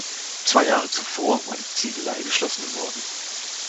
Zwei Jahre zuvor war die Ziegelei geschlossen worden.